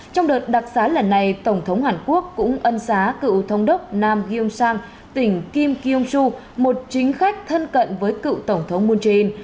trong đợt đặc giá lần này tổng thống hàn quốc cũng ân xá cựu thống đốc nam gyeongsang tỉnh kim kyong su một chính khách thân cận với cựu tổng thống moon jae in